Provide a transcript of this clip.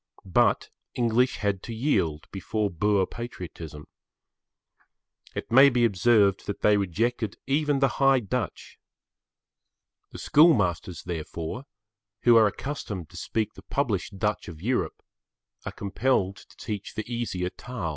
But English had to yield before Boer patriotism. It may be observed that they rejected even the High Dutch. The school masters, therefore, who are accustomed to speak the published Dutch of Europe, are compelled to teach the easier Taal.